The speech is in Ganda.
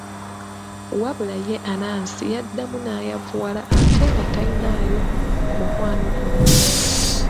Wabula ye Anansi yaddamu n'ayavuwala ate nga talinaayo mukwano gwonna.